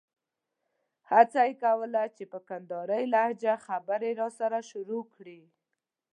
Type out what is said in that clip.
هڅه یې کوله چې په کندارۍ لهجه خبرې راسره شروع کړي.